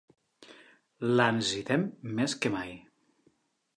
La necessitem més que mai